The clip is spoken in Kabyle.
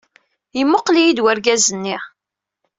Yemmuqqel-iyi-d wergaz-nni.